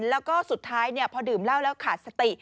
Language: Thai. แล้วก็สุดท้ายเนี่ยพอดื่มล่าวแล้วขาดสติ